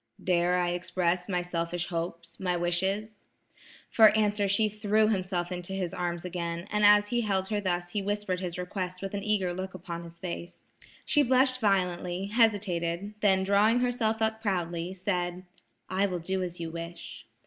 "Dare I express my selfish hopes–my wishes?" For answer she threw herself into his arms again, and as he held her thus he whispered his request with an eager look upon his face. She blushed violently, hesitated, then drawing herself up proudly said: "I will do as you wish."